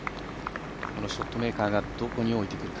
このショットメーカーがどこに置いてくるか。